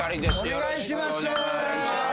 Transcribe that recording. お願いします。